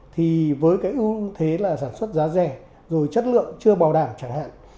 thì với cái ưu thế là sản xuất giá rẻ rồi chất lượng chưa bảo đảm chẳng hạn